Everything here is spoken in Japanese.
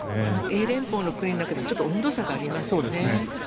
英連邦の国の中でもちょっと温度差がありますよね。